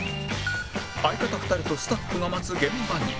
相方２人とスタッフが待つ現場に